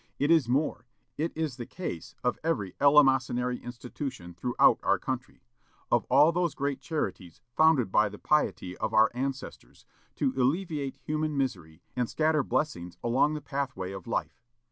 It is more. It is the case of every eleemosynary institution throughout our country of all those great charities founded by the piety of our ancestors, to alleviate human misery and scatter blessings along the pathway of life.